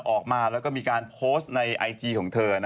ออกมาแล้วก็มีการโพสต์ในไอจีของเธอ